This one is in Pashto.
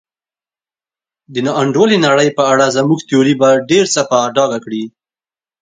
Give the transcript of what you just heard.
د نا انډولې نړۍ په اړه زموږ تیوري به ډېر څه په ډاګه کړي.